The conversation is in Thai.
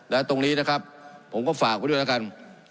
และตรงนี้นะครับผมก็ฝากไว้ด้วยแล้วกัน